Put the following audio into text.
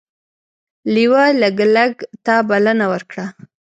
لیوه لګلګ ته بلنه ورکړه.